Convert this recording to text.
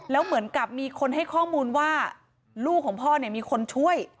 แล้วเหมือนกับมีคนให้ข้อมูลว่าลูกของพ่อเนี่ยมีคนช่วย